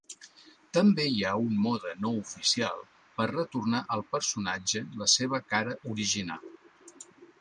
També hi ha un mode no oficial per retornar al personatge la seva cara original.